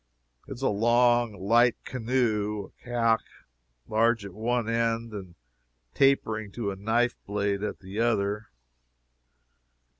It is a long, light canoe (caique,) large at one end and tapering to a knife blade at the other.